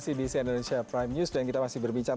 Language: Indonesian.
si indonesia pranggis sudah kembali bersama kami